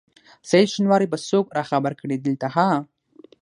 سعید شېنواری به څوک راخبر کړي دلته ها؟